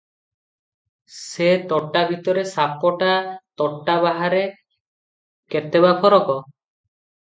ସେ ତୋଟା ଭିତରେ' ସାପଟା ତୋଟା ବାହାରେ- କେତେ ବା ଫରକ ।